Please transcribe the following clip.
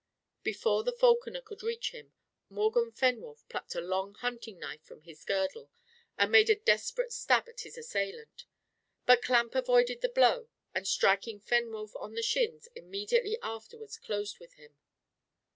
Before the falconer could reach him, Morgan Fenwolf plucked a long hunting knife from his girdle, and made a desperate stab at his assailant. But Clamp avoided the blow, and striking Fenwolf on the shins, immediately afterwards closed with him.